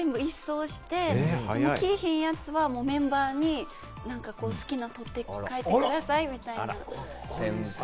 夏服を全部一掃して、着いひんやつはメンバーに好きなんとって、かえってくださいみたいな。